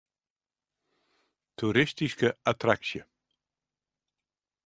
Toeristyske attraksje.